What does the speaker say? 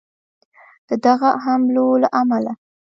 د دغه حملو له امله